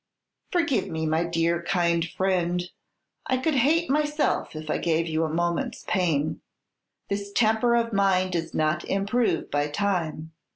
"Forgive me, my dear, kind friend. I could hate myself if I gave you a moment's pain. This temper of mine does not improve by time."